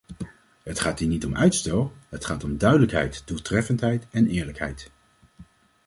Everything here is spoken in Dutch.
Het gaat hier niet om uitstel: het gaat om duidelijkheid, doeltreffendheid en eerlijkheid.